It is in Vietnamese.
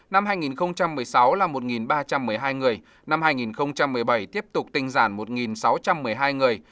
năm hai nghìn một mươi sáu là một ba trăm một mươi hai người năm hai nghìn một mươi bảy tiếp tục tinh giản một sáu trăm một mươi hai người